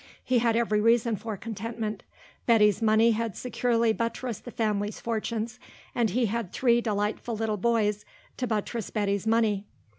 He had every reason for contentment. Betty's money had securely buttressed the family fortunes and he had three delightful little boys to buttress Betty's money.